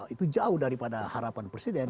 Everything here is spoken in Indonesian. itu jauh daripada harapan presiden